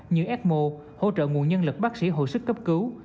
như ecmo hỗ trợ nguồn nhân lực bác sĩ hồi sức cấp cứu